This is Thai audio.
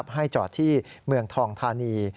ให้จอดที่เมืองทองธานี